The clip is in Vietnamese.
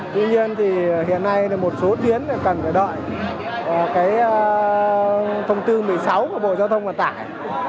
tuy nhiên thì hiện nay một số tuyến cần phải đợi thông tư một mươi sáu của bộ giao thông và tải